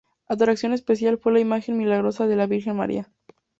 Atracción especial fue la imagen milagrosa de la Virgen María.